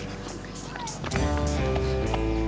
pertumbukan awalnya mah miss roy